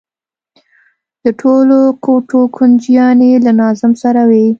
د ټولو کوټو کونجيانې له ناظم سره وي.